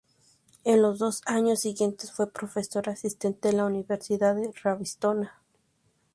En los dos años siguientes fue profesor asistente en la Universidad de Ratisbona.